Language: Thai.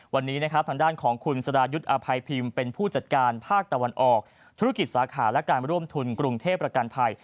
วันนี้นะครับทางด้านของคุณสรายุทธ์อภัยพิมพ์เป็นผู้จัดการภาคตะวันออกธุรกิจสาขาและการร่วมทุนกรุงเทพประกันภัย